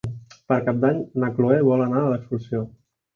Per Cap d'Any na Cloè vol anar d'excursió.